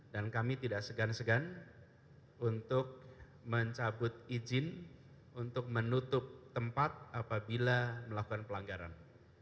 dan kami tidak segan segan untuk mencabut izin untuk menutup tempat apabila melakukan pelanggaran